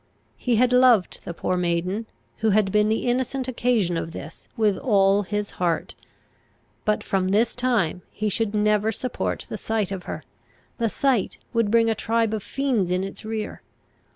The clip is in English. He had loved the poor maiden, who had been the innocent occasion of this, with all his heart; but from this time he should never support the sight of her. The sight would bring a tribe of fiends in its rear.